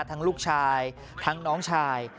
ลูกชายทั้งน้องชาย